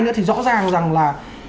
nữa thì rõ ràng rằng là